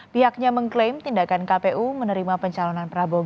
pihaknya mengklaim tindakan kpu menerima pencalonan prabowo